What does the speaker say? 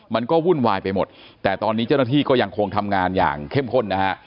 วุ่นวายไปหมดแต่ตอนนี้เจ้าหน้าที่ก็ยังคงทำงานอย่างเข้มข้นนะฮะ